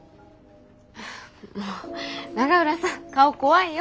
もう永浦さん顔怖いよ。